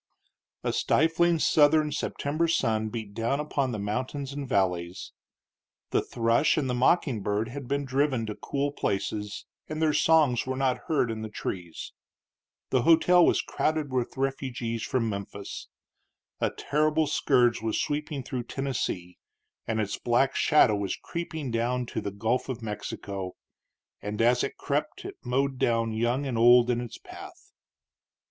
II. A stifling Southern September sun beat down upon the mountains and valleys. The thrush and the mocking bird had been driven to cool places, and their songs were not heard in the trees. The hotel was crowded with refugees from Memphis. A terrible scourge was sweeping through Tennessee, and its black shadow was creeping down to the Gulf of Mexico; and as it crept it mowed down young and old in its path.